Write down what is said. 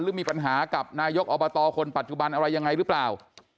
หรือมีปัญหากับนายกอบตคนปัจจุบันอะไรยังไงหรือเปล่า